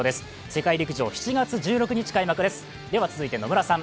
世界陸上、７月１６日開幕です。